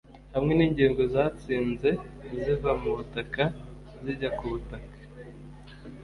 hamwe n'ingingo zatsinze ziva mu butaka zijya ku butaka;